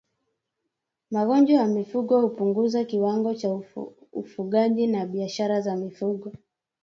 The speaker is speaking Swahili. Magonjwa ya mifugo hupunguza kiwango cha ufugaji na biashara za mifugo